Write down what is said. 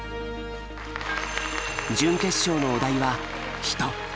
準決勝のお題は「人」。